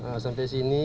nah sampai sini